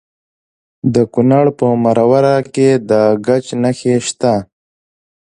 د کونړ په مروره کې د ګچ نښې شته.